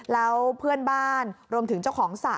แล้วเพื่อนบ้านรวมถึงเจ้าของสระ